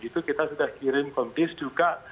itu kita sudah kirim komdis juga